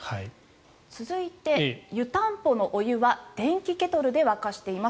続いて、湯たんぽのお湯は電気ケトルで沸かしています